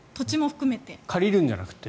借りるんじゃなくて？